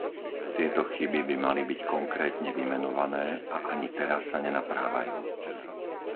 Tieto chyby by mali byť konkrétne vymenované a ani teraz sa nenaprávajú.